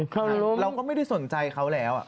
เราก็ไม่ได้สนใจเขาแล้ว